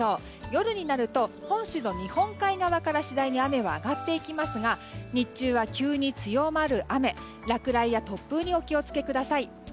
夜になると本州の日本海側から次第に雨は上がっていきますが日中は急に強まる雨落雷や突風にお気をつけください。